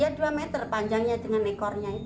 dia dua meter panjangnya dengan ekornya itu